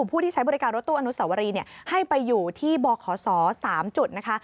ผู้ที่ใช้บริการรถตู้อนุสวรีให้ไปอยู่ที่บขศ๓จุดนะคะ